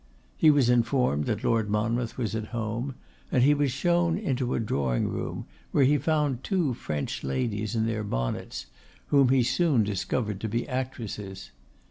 He was informed that Lord Monmouth was at home, and he was shown into a drawing room, where he found two French ladies in their bonnets, whom he soon discovered to be actresses.